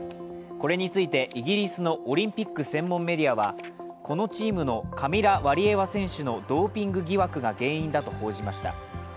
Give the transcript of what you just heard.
これについてイギリスのオリンピック専門メディアは、このチームのカミラ・ワリエワ選手のドーピング疑惑が原因だと報じました。